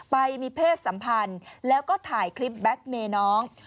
ไปมีเพศสัมพันธ์แล้วก็ถ่ายคลิปแบ็คเมย์น้อง